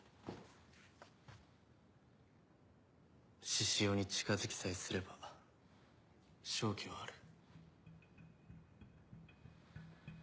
志々雄に近づきさえすれば勝機はある。